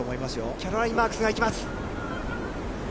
キャロライン・マークスがいきます。